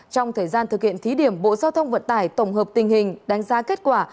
trong thời gian thực hiện thí điểm bộ giao thông vận tải tổng hợp tình hình đánh giá kết quả